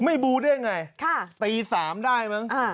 ไม่บูได้ไงค่ะตีสามได้มั้งอ่า